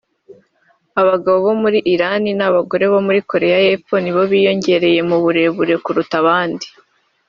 Abagabo bo muri Iran n’abagore bo muri Korea y’Epfo nibo biyongereye mu burebure kuruta abandi